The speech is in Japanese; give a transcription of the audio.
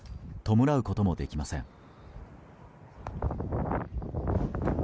弔うこともできません。